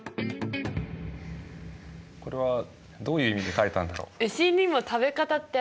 これはどういう意味で書いたんだろう。